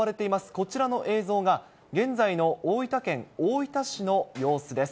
こちらの映像が、現在の大分県大分市の様子です。